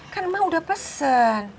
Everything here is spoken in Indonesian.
kan mak udah pesen